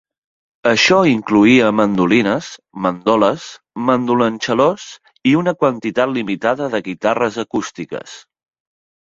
Això incloïa mandolines, mandoles, mandolonchelos i una quantitat limitada de guitarres acústiques.